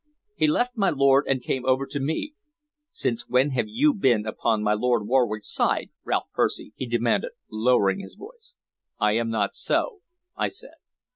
He left my lord, and came over to me. "Since when have you been upon my Lord Warwick's side, Ralph Percy?" he demanded, lowering his voice. "I am not so," I said.